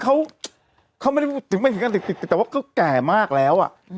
เขาไม่ได้แต่ว่าเขาแก่มากแล้ว